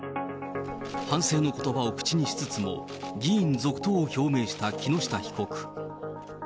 反省のことばを口にしつつも議員続投を表明した木下被告。